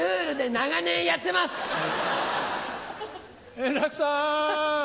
円楽さん！